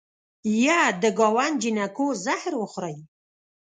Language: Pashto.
یه د ګاونډ جینکو زهر وخورئ